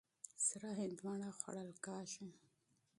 سره هندوانه خوړل کېږي.